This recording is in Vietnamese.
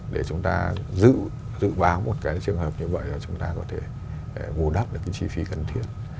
để chúng ta dự báo một cái trường hợp như vậy là chúng ta có thể ngủ đắp được cái chi phí cần thiết